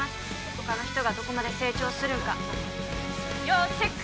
他の人がどこまで成長するんか要チェック